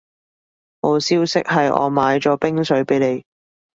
好消息係我買咗冰水畀你